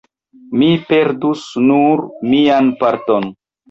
mi perdus nur mian parton.